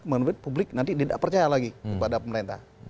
menurut publik nanti tidak percaya lagi kepada pemerintah